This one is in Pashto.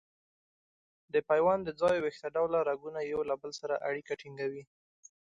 د پیوند د ځای ویښته ډوله رګونه یو له بل سره اړیکه ټینګوي.